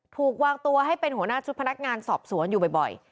ถูกวางตัวให้เป็นหัวหน้าชุดพนักงานสอบสวนอยู่บ่อย